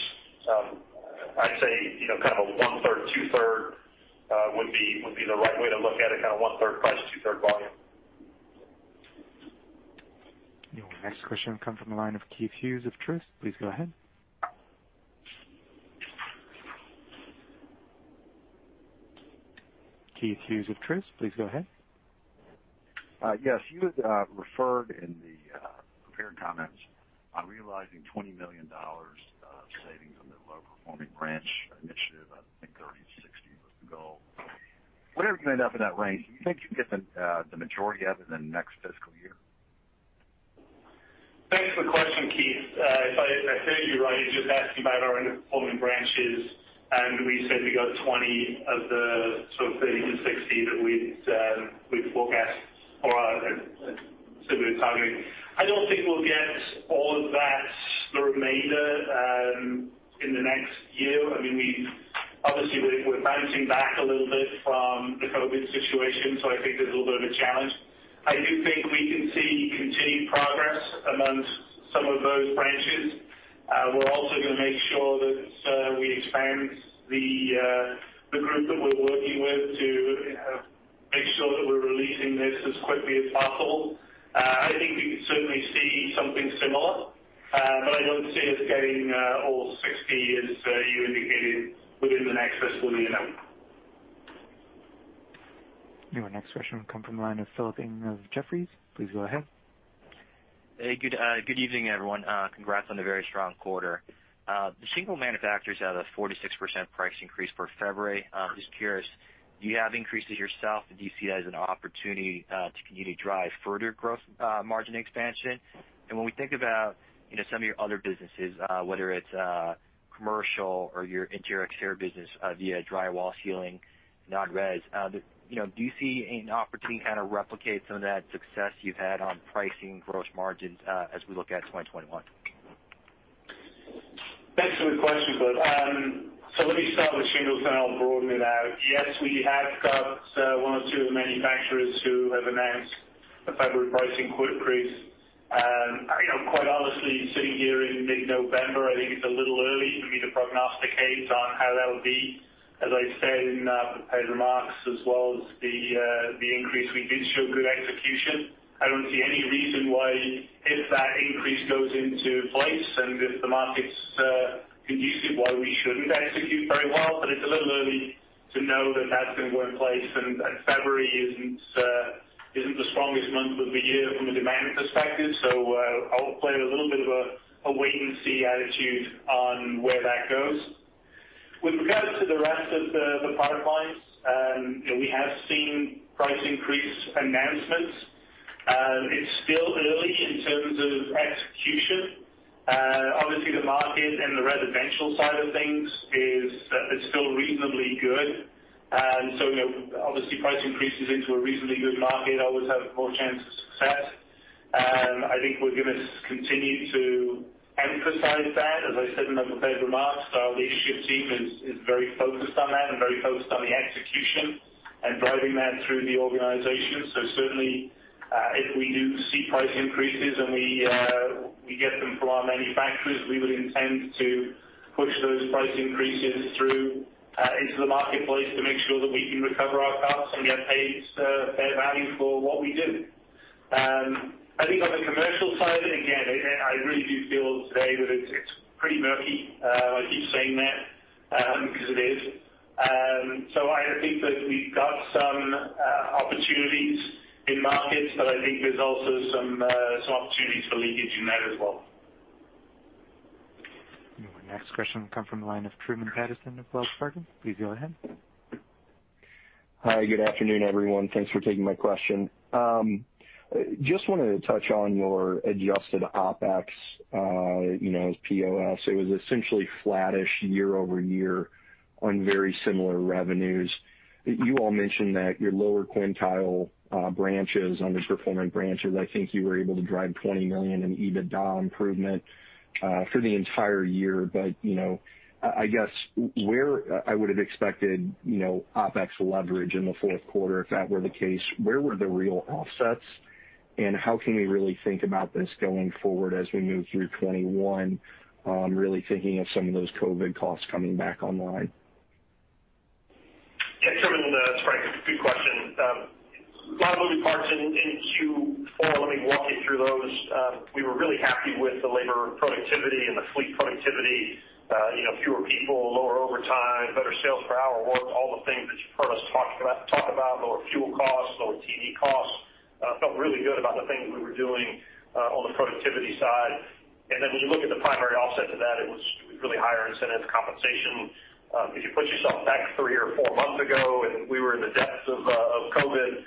[SPEAKER 3] I'd say one-third, two-third would be the right way to look at it. One-third price, two-third volume.
[SPEAKER 1] The next question comes from the line of Keith Hughes of Truist. Please go ahead. Keith Hughes of Truist, please go ahead.
[SPEAKER 12] Yes. You had referred in the prepared comments on realizing $20 million of savings on the low-performing branch initiative. I think [INAUDIBLE] was the goal. Wherever you end up in that range, do you think you can get the majority of it in the next fiscal year?
[SPEAKER 2] Thanks for the question, Keith. If I heard you right, you're just asking about our underperforming branches, and we said we got 20 of the sort of 30-60 that we'd forecast or said we were targeting. I don't think we'll get all of that, the remainder, in the next year. Obviously, we're bouncing back a little bit from the COVID situation, so I think there's a little bit of a challenge. I do think we can see continued progress amongst some of those branches. We're also going to make sure that we expand the group that we're working with to make sure that we're releasing this as quickly as possible. I think we could certainly see something similar, but I don't see us getting all 60, as you indicated, within the next fiscal year, no.
[SPEAKER 1] Your next question will come from the line of Philip Ng of Jefferies. Please go ahead.
[SPEAKER 13] Hey, good evening, everyone. Congrats on the very strong quarter. The shingle manufacturers have a 46% price increase for February. Just curious, do you have increases yourself? Do you see that as an opportunity to continue to drive further gross margin expansion? When we think about some of your other businesses, whether it's commercial or your interior share business via drywall, ceiling, non-res, do you see an opportunity to kind of replicate some of that success you've had on pricing gross margins as we look at 2021?
[SPEAKER 2] Thanks for the question. Let me start with shingles and I'll broaden it out. Yes, we have got one or two of the manufacturers who have announced a February pricing increase. Quite honestly, sitting here in mid-November, I think it's a little early for me to prognosticate on how that'll be. As I said in the prepared remarks, as well as the increase, we did show good execution. I don't see any reason why, if that increase goes into place and if the market's conducive, why we shouldn't execute very well. It's a little early to know that that's going to go in place, and February isn't the strongest month of the year from a demand perspective. I'll play a little bit of a wait-and-see attitude on where that goes. With regards to the rest of the product lines, we have seen price increase announcements. It's still early in terms of execution. Obviously, the market and the residential side of things is still reasonably good. Obviously price increases into a reasonably good market always have a more chance of success. I think we're going to continue to emphasize that. As I said in my prepared remarks, our leadership team is very focused on that and very focused on the execution and driving that through the organization. Certainly, if we do see price increases and we get them from our manufacturers, we would intend to push those price increases through into the marketplace to make sure that we can recover our costs and get paid fair value for what we do. I think on the commercial side, again, I really do feel today that it's pretty murky. I keep saying that because it is. I think that we've got some opportunities in markets, but I think there's also some opportunities for leakage in that as well.
[SPEAKER 1] Your next question will come from the line of Truman Patterson of Wells Fargo. Please go ahead.
[SPEAKER 14] Hi, good afternoon, everyone. Thanks for taking my question. Just wanted to touch on your adjusted OpEx, as POS, it was essentially flattish year-over-year on very similar revenues. You all mentioned that your lowest quintile branches, underperforming branches, I think you were able to drive $20 million in EBITDA improvement for the entire year. I guess where I would have expected OpEx leverage in the fourth quarter, if that were the case, where were the real offsets, and how can we really think about this going forward as we move through 2021, really thinking of some of those COVID costs coming back online?
[SPEAKER 3] Yeah, Truman, it's Frank. Good question. A lot of moving parts in Q4. Let me walk you through those. We were really happy with the labor productivity and the fleet productivity. Fewer people, lower overtime, better sale per hour work, all the things that you've heard us talk about. Lower fuel costs, lower T&E costs. Felt really good about the things we were doing on the productivity side. When you look at the primary offset to that, it was really higher incentive compensation. If you put yourself back three or four months ago, and we were in the depths of COVID,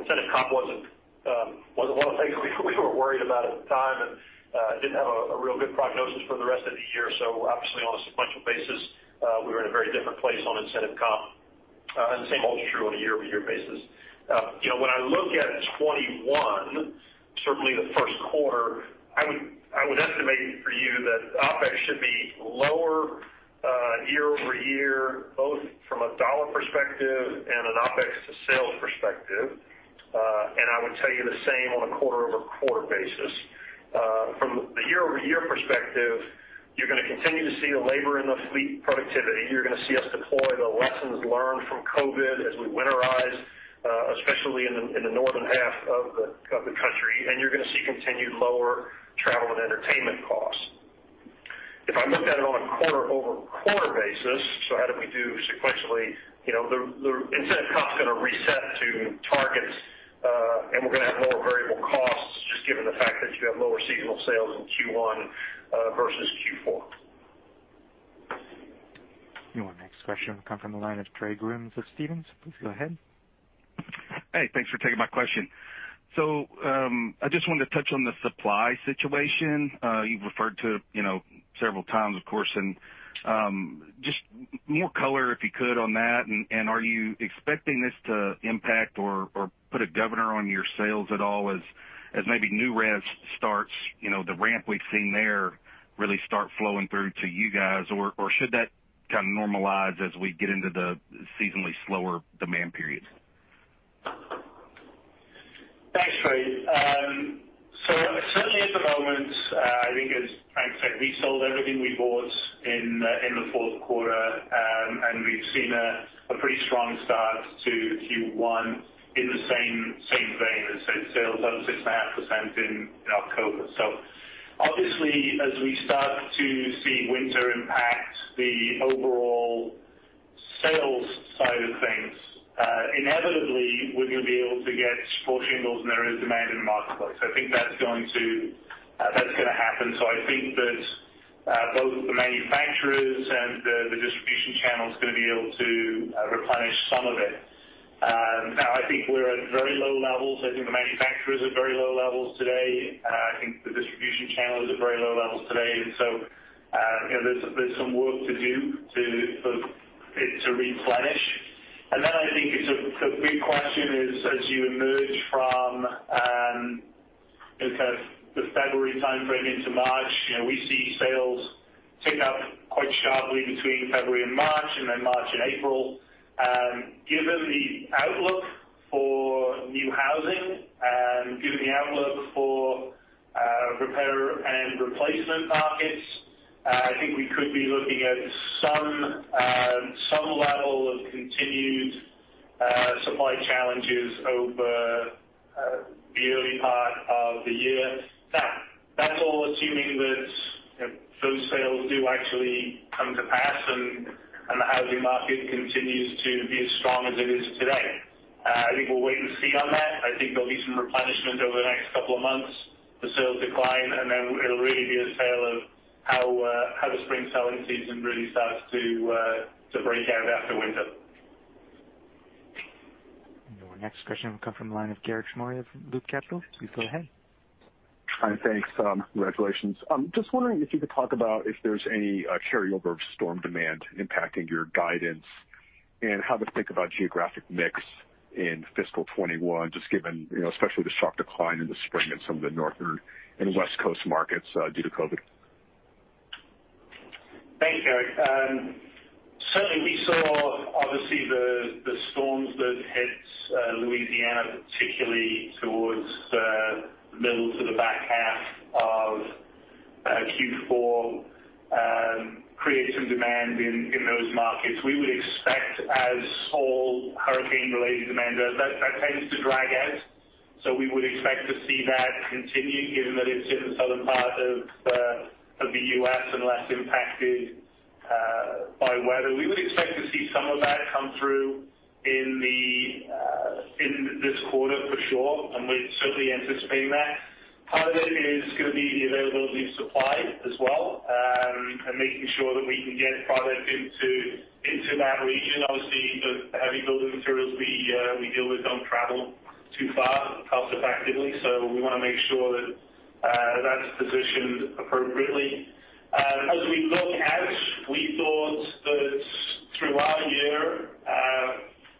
[SPEAKER 3] incentive comp wasn't one of the things we were worried about at the time, and didn't have a real good prognosis for the rest of the year. Obviously on a sequential basis, we were in a very different place on incentive comp. The same holds true on a year-over-year basis. When I look at 2021, certainly the 1st quarter, I would estimate for you that OpEx should be lower year-over-year, both from a dollar perspective and an OpEx to sales perspective. I would tell you the same on a quarter-over-quarter basis. From the year-over-year perspective, you're going to continue to see the labor and the fleet productivity. You're going to see us deploy the lessons learned from COVID as we winterize, especially in the northern half of the country. You're going to see continued lower travel and entertainment costs. If I looked at it on a quarter-over-quarter basis, so how did we do sequentially? The incentive comp's going to reset to targets, and we're going to have lower variable costs, just given the fact that you have lower seasonal sales in Q1 versus Q4.
[SPEAKER 1] Your next question will come from the line of Trey Grooms of Stephens. Please go ahead.
[SPEAKER 15] Hey, thanks for taking my question. I just wanted to touch on the supply situation. You've referred to it several times, of course, and just more color, if you could, on that. Are you expecting this to impact or put a governor on your sales at all as maybe new res starts, the ramp we've seen there really start flowing through to you guys? Should that kind of normalize as we get into the seasonally slower demand periods?
[SPEAKER 2] Thanks, Trey. Certainly at the moment, I think as Frank said, we sold everything we bought in the fourth quarter, and we've seen a pretty strong start to Q1 in the same vein as sales up 6.5% in October. Obviously, as we start to see winter impact the overall sales side of things, inevitably we're going to be able to get sport shingles and there is demand in the marketplace. I think that's going to happen. I think that both the manufacturers and the distribution channel is going to be able to replenish some of it. Now, I think we're at very low levels. I think the manufacturers are very low levels today. I think the distribution channel is at very low levels today. There's some work to do for it to replenish. Then I think the big question is as you emerge from the February timeframe into March, we see sales tick up quite sharply between February and March, and then March and April. Given the outlook for new housing and given the outlook for repair and replacement markets, I think we could be looking at some level of continued supply challenges over the early part of the year. That's all assuming that those sales do actually come to pass and the housing market continues to be as strong as it is today. I think we'll wait and see on that. I think there'll be some replenishment over the next couple of months. The sales decline, and then it'll really be a tale of how the spring selling season really starts to break out after winter.
[SPEAKER 1] Our next question will come from the line of Garik Shmois from Loop Capital. Please go ahead.
[SPEAKER 16] Hi, thanks. Congratulations. Just wondering if you could talk about if there's any carryover of storm demand impacting your guidance, and how to think about geographic mix in fiscal 2021, just given especially the sharp decline in the spring in some of the northern and West Coast markets due to COVID.
[SPEAKER 2] Thanks, Garik. Certainly, we saw, obviously, the storms that hit Louisiana, particularly towards the middle to the back half of Q4, create some demand in those markets. We would expect as all hurricane-related demand does, that tends to drag out. We would expect to see that continue given that it's in the southern part of the U.S. and less impacted by weather. We would expect to see some of that come through in this quarter for sure, and we're certainly anticipating that. Part of it is going to be the availability of supply as well, and making sure that we can get product into that region. Obviously, the heavy building materials we deal with don't travel too far cost effectively. We want to make sure that's positioned appropriately. As we look out, we thought that throughout the year,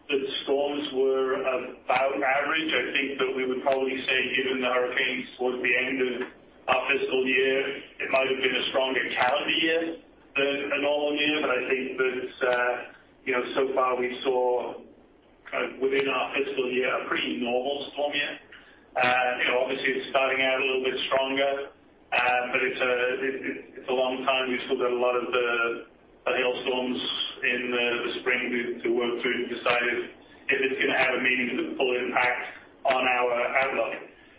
[SPEAKER 2] the storms were about average. I think that we would probably say given the hurricanes towards the end of our fiscal year, it might have been a stronger calendar year than a normal year. I think that so far we saw within our fiscal year, a pretty normal storm year. Obviously, it's starting out a little bit stronger, but it's a long time. You still got a lot of the hailstorms in the spring to work through to decide if it's going to have a meaningful impact on our outlook.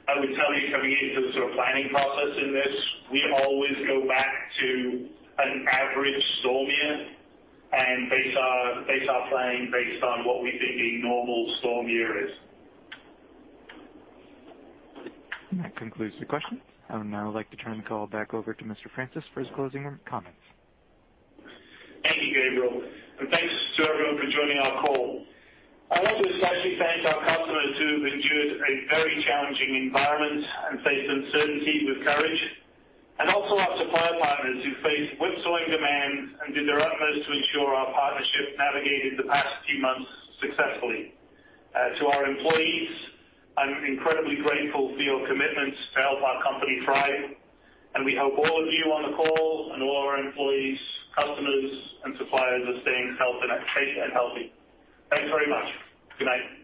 [SPEAKER 2] I would tell you coming into the sort of planning process in this, we always go back to an average storm year and base our planning based on what we think a normal storm year is.
[SPEAKER 1] That concludes the questions. I would now like to turn the call back over to Mr. Francis for his closing comments.
[SPEAKER 2] Thank you, Gabriel, and thanks to everyone for joining our call. I want to especially thank our customers who've endured a very challenging environment and faced uncertainty with courage. Also our supplier partners who faced whipsawing demands and did their utmost to ensure our partnership navigated the past few months successfully. To our employees, I'm incredibly grateful for your commitment to help our company thrive, and we hope all of you on the call and all our employees, customers, and suppliers are staying safe and healthy. Thanks very much. Good night.